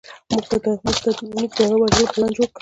موږ د هغه د وژلو پلان جوړ کړ.